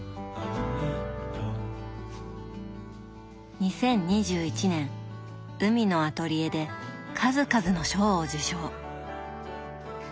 ２０２１年「海のアトリエ」で数々の賞を受賞。